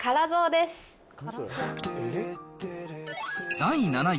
第７位。